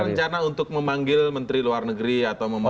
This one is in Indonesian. ada rencana untuk memanggil menteri luar negeri atau memanggil